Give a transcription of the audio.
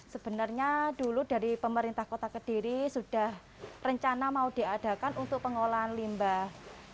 sebenarnya dulu dari pemerintah kota kediri sudah rencana mau diadakan untuk pengolahan limbah